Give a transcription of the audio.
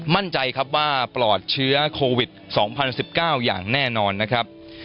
มั่นใจครับว่าปลอดเชื้อโควิด๒๐๑๙อย่างแน่นอนนะครับ